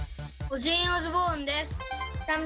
オジンオズボーンです。